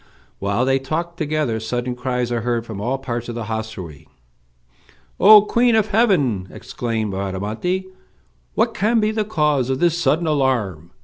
While they talk together, sudden cries are heard from all parts of the hostelry. "O queen of heaven!" exclaimed Bradamante, "what can be the cause of this sudden alarm?"